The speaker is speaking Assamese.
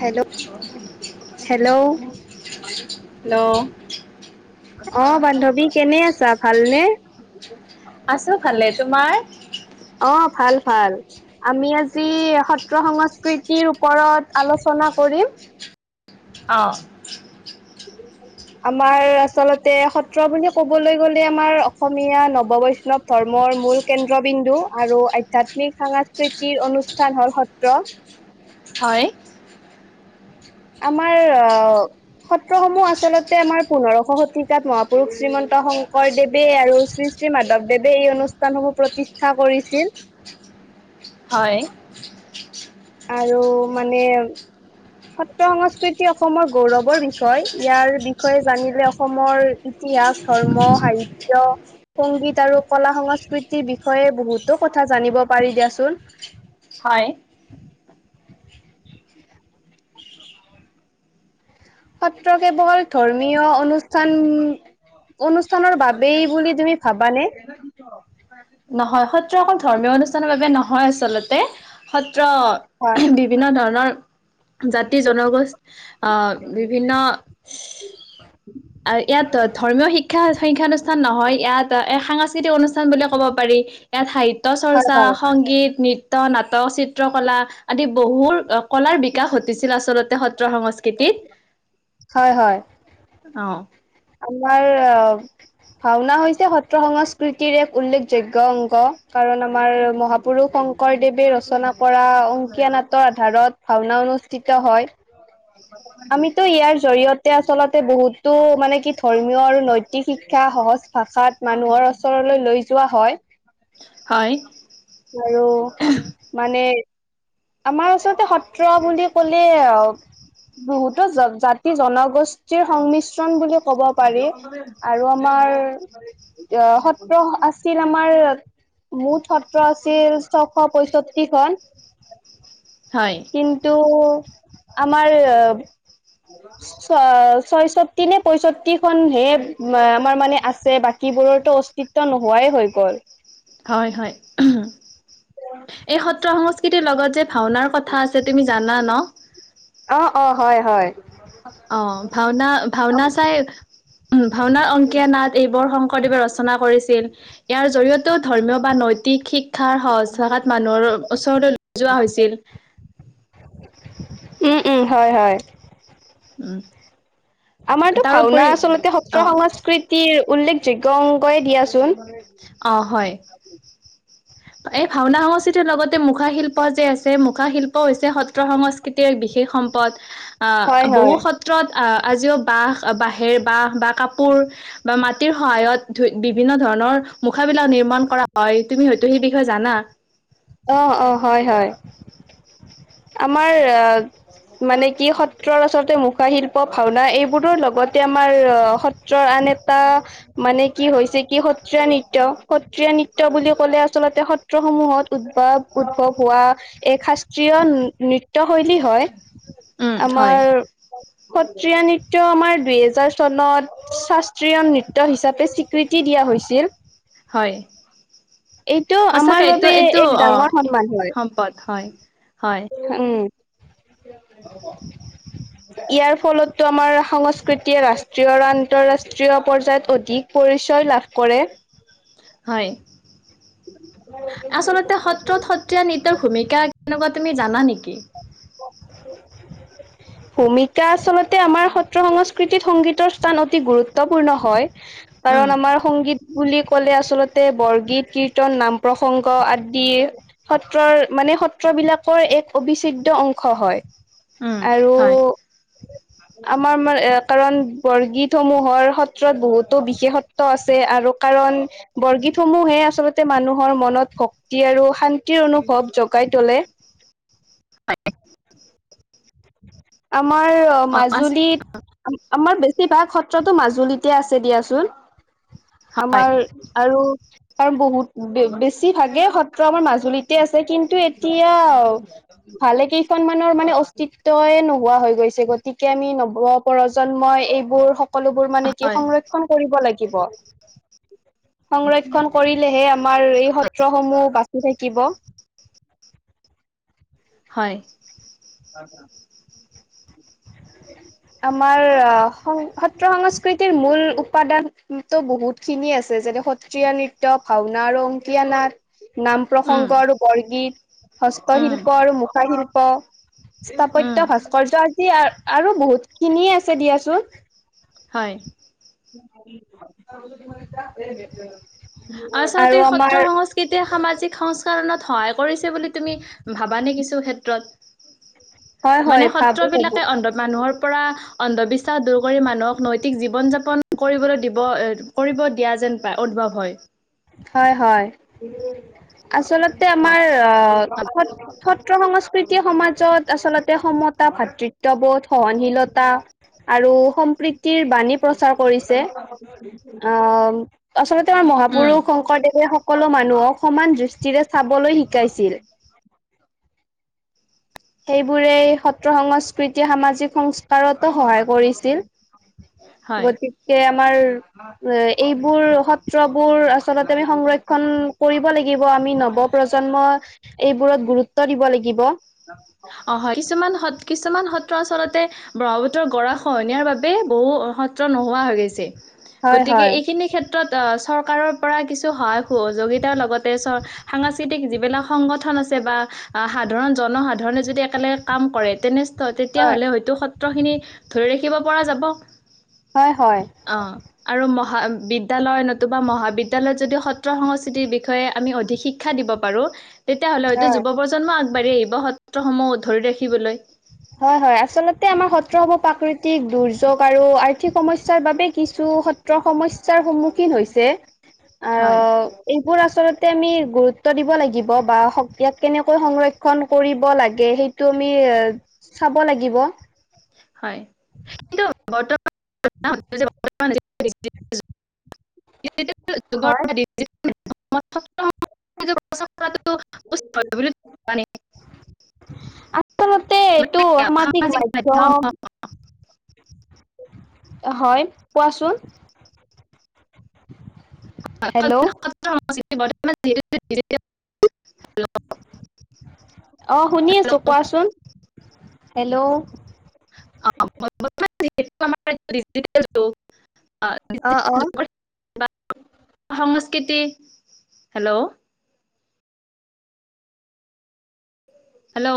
হেল্ল' হেল্ল' হেল্ল অ বান্ধৱী কেনে আছা ভালনে আছো ভালে তোমাৰ অ ভাল ভাল আমি আজি সত্ৰ সংস্কৃতিৰ ওপৰত আলোচনা কৰিম অ আমাৰ আচলতে সত্ৰ বুলি কবলৈ গ'লে আমাৰ অসমীয়া নৱ বৈষ্ণৱ ধৰ্ম ৰ মূল কেন্দ্ৰবিন্দু আৰু আধ্যাত্মিক সাংস্কৃতিৰ অনুষ্ঠান হল সত্ৰ হয় আমাৰ অ সত্ৰ সমূহ আচলতে আমাৰ পোন্ধৰশ শতিকাত মহাপুৰুষ শ্ৰীমন্ত শংকৰদেৱে আৰু শ্ৰী শ্ৰী মাধৱদেৱে এই অনুষ্ঠানসমূহ প্ৰতিষ্ঠা কৰিছিল হয় আৰু মানে সত্ৰ সংস্কৃতি অসমৰ গৌৰৱৰ বিষয় ইয়াৰ বিষয়ে জানিলে অসমৰ ইতিহাস ধৰ্ম সাহিত্য [unintelligible] সংগীত আৰু কলা সংস্কৃতিৰ বিষয়ে বহুতো কথা জানিব পাৰি দিয়াচোন হয় সত্ৰ কেৱল ধৰ্মীয় অনুষ্ঠান অনুষ্ঠানৰ বাবেই বুলি তুমি ভাবানে নহয় সত্ৰ অকল ধৰ্মীয় অনুষ্ঠানৰ বাবে নহয় আচলতে সত্ৰ হয় বিভিন্ন ধৰণৰ জাতি জনগোষ্ঠ আ বিভিন্ন আৰু ইয়াত ধৰ্মীয় শিক্ষা সংখ্যানুষ্ঠান নহয় ইয়াত এ সাংস্কৃতিক সাংস্কৃতিক অনুষ্ঠান বুলি ক'ব পাৰি ইয়াত সাহিত্য হয় চৰ্চা হয় সংগীত নৃত্য নাটক চিত্ৰ কলা আদি বহুত কলাৰ বিকাশ ঘটিছিল আচলতে সত্ৰ সংস্কৃতি দিন হয় হয় আমাৰ ভাওনা হৈছে সত্ৰ সংস্কৃতিৰ এক উল্লেখযোগ্য অংগ কাৰণ আমাৰ মহাপুৰুষ শংকৰদেৱে ৰচনা কৰা অংকীয়া নাটৰ আধাৰত ভাওনা অনুষ্ঠিত হয় আমিতো ইয়াৰ জৰিয়তে আচলতে বহুতো মানে কি ধৰ্মীয় আৰু নৈতিক শিক্ষা সহজ ভাষাত মানুহৰ ওচৰলৈ লৈ যোৱা হয় হয় আৰু মানে আমাৰ ওচলতে সত্ৰ বুলি ক'লে বহুতো জাতি জনগোষ্ঠীৰ সংমিশ্ৰণ বুলি ক'ব পাৰি আৰু আমাৰ আমাৰ সত্ৰ আছিল আমাৰ মুঠ সত্ৰ আছিল ছয়শ পয়ষষ্ঠিখন হয় কিন্তু আমাৰ ছ ছয়ষষ্ঠি নে পয়ষষ্ঠি খন হে আমাৰ মানে আছে বাকী বোৰৰটো অস্তিত্ব নোহোৱাই হৈ গ'ল হয় হয় এই সত্ৰ সংস্কৃতিৰ লগত যে ভাওনাৰ কথা কথা আছে তুমি জানা ন অ অ হয় হয় অ ভাওনা ভাওনা চাই উ ভাওনা অংকীয়া নাট এইবোৰ শংকৰদেৱে ৰচনা কৰিছিল ইয়াৰ জৰি়য়তেও ধৰ্মীয় বা নৈতিক শিক্ষাৰ সহজ ভাষাত মানুহৰ ওচৰলৈ যোৱা হৈছিল [inaudible] উম উম হয় হয় উম আমাৰতো ভাওনা তাৰোপৰি আচলতে অ সত্ৰ সংস্কৃতিৰ উল্লেখযোগ্য অংগয়ে দিয়াচোন অ হয় এই ভাওনা সংস্কৃতিৰ লগতে মুখা শিল্প যে আছে মুখা শিল্পও সত্ৰ সংস্কৃতিৰ এক বিশেষ সম্পদ হয়, আ হয়। বহুত সত্ৰত আ আজিও বাঁহ বাঁহেৰ বাঁহ বা কাপোৰ বা মাটিৰ সহায়ত ধ বিভিন্ন ধৰণৰ মুখাবিলাক নিৰ্মাণ কৰা হয় তুমি হয়তো সেই বিষয়ে জানা অ অ হয় হয় আমাৰ মানে কি সত্ৰৰ আচলতে মুখা শিল্প ভাওনা এইবোৰৰ লগত তে আমাৰ সত্ৰৰ আন এটা মানে কি হৈছে কি সত্ৰীয়া নৃত্য সত্ৰীয়া নৃত্য বুলি ক'লে আচলতে সত্ৰসমূহত উদ্ভৱ উদ্ভৱ হোৱা এক শাস্ত্ৰীয় নৃত্য শৈলী হয় উম হয় আমাৰ স সত্ৰীয়া নৃত্য আমাৰ দুহেজাৰ চনত শাস্ত্ৰীয় নৃত্য হিচাপে স্বীকৃতি দিয়া হৈছিল হয় [unintelligible] এইটো সঁচাকে আমাৰ এইটো বাবে এইটো এক অ ডাঙৰ সন্মান হয় সম্পদ হয় হয় উম। ইয়াৰ ফলতো আমাৰ সংস্কৃতিয়ে ৰাষ্ট্ৰীয় আৰু আন্তৰাষ্ট্ৰীয় পৰ্যায়ত অধিক পৰি। পৰিচয় লাভ কৰে। হয়। আচলতে সত্ৰত সত্ৰীয়া নৃত্যৰ ভূমিকা কেনেকুৱা তুমি। জানা নেকি। ভূমিকা আচলতে আমাৰ সত্ৰ সংস্কৃতিত সংগীতৰ স্থান অতি গুৰুত্বপূৰ্ণ হয়। উম কাৰণ আমাৰ সংগীত। বুলি ক'লে আচল্তে বৰগীত কীৰ্তন নাম প্ৰসংগ আদিৰ সত্ৰৰ মানে। সত্ৰবিলাকৰ এক অবিচ্ছেদ্য অংশ হয় উম আৰু। হয় আমাৰ এ কাৰণ বৰগীত সমূহৰ সত্ৰত বহুতো বিশেষত্ব আছে আৰু। কাৰণ বৰগীতসমূহে আচলতে মানুহৰ মনত শক্তি আৰু শান্তিৰ অনুভৱ জগাই। থকাই তলে। [inaudible] আমাৰ অ মাজুলীত। আমাৰ বেছিভাগ সত্ৰতো মাজুলীতে আছে দিয়াচোন। হয় আমাৰ আৰু। কাৰণ বহুত বেছি ভাগেই সত্ৰ আমাৰ মাজুলীতে আছে কিন্তু এতিয়া। ভালে কেইখনমানৰ মানে। অতিত্বয়ে নোহোৱা হৈ গৈছে গতিকে আমি নৱ প্ৰজন্মই এইবোৰ। [unintelligible] সকলোবোৰ মানে কি হয় সংৰক্ষণ কৰিব লাগিব সংৰক্ষণ কৰিলেহে। আমাৰ এই সত্ৰসমূহ বাচি থাকিব। হয়। অ আমাৰ সত্ৰ সংস্কৃতিৰ মূল উপাদান টো বহুত খিনি আছে। যেনে সত্ৰীয়া নৃত্য ভাওনা আৰু অংকীয়া নাট। নাম উম, প্ৰসংগ আৰু বৰগীত উম, হস্তশিল্প আৰু মুখাশিল্প। [unintelligible] উম, স্থাপত্যয় ভাস্কৰৰ্য আদি আৰু বহুত খিনিয়ে আছে দিয়াচোন। হয়। তমান ফে [unintelligible] আচলতে সত্ৰ সংস্কৃতিয়ে সামাজিক সংস্কৰণত সহায় কৰিছে বুলি তুমি ভাব। আনি কিছু হয় ক্ষেত্ৰত হয় মানে ভাবো ভাবো সত্ৰবিলাক মানুহৰ। [unintelligible] পৰা অন্ধবিশ্বাস দূৰ কৰি মানুহক নৈতিক জীৱন যাপন কৰিবলৈ দিব কৰিব দিয়া। যেন পায় উদ্ভৱ হয়। হয় হয়। আচলতে আমাৰ অ সত্ৰ সংস্কৃত। [unintelligible] প্ৰকৃতি সমাজত আচলতে সমতা ভাতৃত্ববোধ সহনশীলতা। আৰু সম্প্ৰীতিৰ বাণী প্ৰচাৰ কৰিছে অ আচলতে। আমাৰ উম। মহাপুৰুষ শংকৰদেৱে সকলো মানুহক সমান দৃষ্টিৰে চাবলৈ শিকাইছিল। সেইবোৰে সত্ৰ সংস্কৃতি সামাজিক সংস্কাৰতো সহায় কৰিছিল। হয়। গতিকে। আাৰ এইবোৰ সত্ৰবোৰ আচলতে আমি সংৰক্ষণ কৰিব লাগিব। আমি নৱপ্ৰজন্ম এইবোৰত গুৰুত্ব দিব লাগিব। অ হয় কিছুমান স। কিছুমান সত্ৰ আচল্ততে ব্ৰহ্মপুত্ৰৰ গৰা খহনীয়াৰ বাবে বহু সত্ৰ নোহোৱা হৈ গৈছে। হয় গতিকে হয় এইখিনি ক্ষেত্ৰত। ক্ষ্ৰত চৰকাৰৰ পৰা কিছু সহায় সহযোগিতাৰ লগতে সাংস্কৃতিক যিবিলাক সংগঠন। বা সাধাৰণ জনসাধাৰণে যদি একেলগে কাম কৰে তেনেস্থ হয় তেতিয়াহ'লে হয়ো স। ধ ৰাখ পৰা যাব হয় হয় অ। বিদ্যালয় নতুবা মহাবিদ্যালয়ত যদি সত্ৰ সংস্কৃতিৰ বিষয়ে আমি অধিক শিক্ষা দিব পাৰোঁ তেতিয়াহ'লে হয়তো হয়। যুৱ প্ৰজন্ম আগবাঢ়ি আহিব সত্ৰসমূহ ধৰি ৰাখিবলৈ হয় হয় আচলতে আমাৰ সত্ৰ হ'ব প্ৰাকৃতিক দুৰ্যোগ আৰু আৰ্থিক সমস্য়াৰ বাবে কিছু [inaudible] হয় চ আমি গুৰুত্ব দিব লাগিব বা কেনেকৈ সংৰক্ষণ কৰিব লাগে সেইটো চাব লাগিব। হয় কিন্তু [inaudible] বৰ্তমান হয়। [inaudible] [inaudible] আচলতে এইটো সামাজিক মাধ্ম [inaudible] হয় কোৱাচোন হেল্ল' [unintelligible] অ শুনি আছো কোৱাচোন। [unintelligible] অ', অ'। [unintelligible] Hello hello